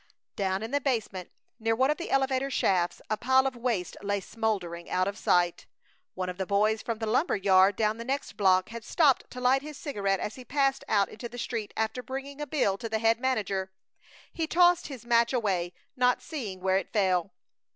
Down in the basement, near one of the elevator shafts, a pile of waste lay smoldering, out of sight. One of the boys from the lumber yard down the next block had stopped to light his cigarette as he passed out into the street after bringing a bill to the head manager. He tossed his match away, not seeing where it fell.